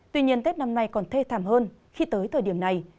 tuy nhiên tết năm nay còn thê thảm hơn khi tới thời điểm này